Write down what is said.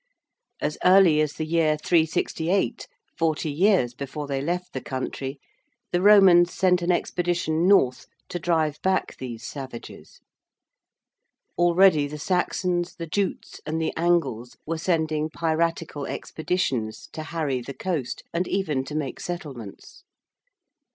As early as the year 368, forty years before they left the country, the Romans sent an expedition north to drive back these savages. Already the Saxons, the Jutes and the Angles were sending piratical expeditions to harry the coast and even to make settlements.